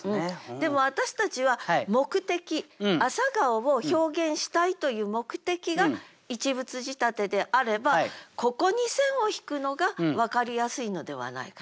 でも私たちは目的「朝顔」を表現したいという目的が一物仕立てであればここに線を引くのが分かりやすいのではないかと。